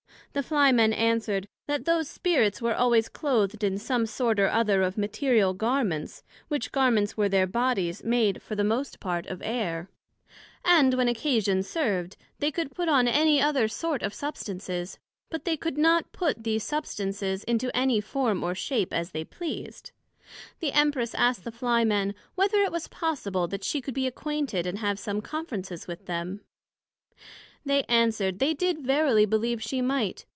The Fly men answered, That those Spirits were always cloth'd in some sort or other of Material Garments; which Garments were their Bodies, made, for the most part, of Air; and when occasion served, they could put on any other sort of substances; but yet they could not put these substances into any form or shape, as they pleased. The Empress asked the Fly men, whether it was possible that she could be acquainted, and have some conferences with them? They answered, They did verily believe she might.